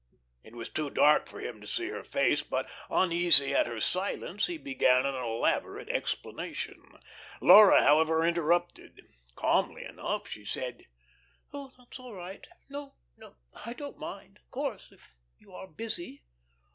It was too dark for him to see her face; but, uneasy at her silence, he began an elaborate explanation. Laura, however, interrupted. Calmly enough, she said: "Oh, that's all right. No, no, I don't mind. Of course, if you are busy."